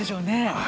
はい。